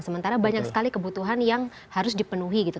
sementara banyak sekali kebutuhan yang harus dipenuhi gitu